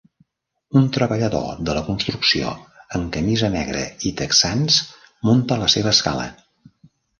Un treballador de la construcció amb camisa negra i texans munta la seva escala.